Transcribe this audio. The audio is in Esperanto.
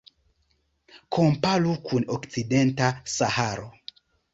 Komparu kun Okcidenta Saharo.